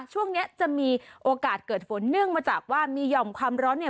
ช่วงเนี้ยจะมีโอกาสเกิดฝนเนื่องมาจากว่ามีห่อมความร้อนเนี่ย